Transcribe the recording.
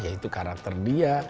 ya itu karakter dia